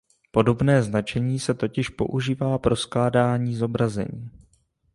Podobné značení se totiž používá pro skládání zobrazení.